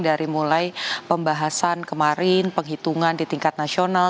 dari mulai pembahasan kemarin penghitungan di tingkat nasional